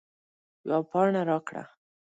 یوه پاڼه راکړه